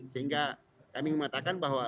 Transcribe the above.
sehingga kami mengatakan bahwa